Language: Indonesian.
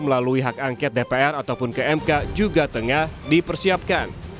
melalui hak angket dpr ataupun ke mk juga tengah dipersiapkan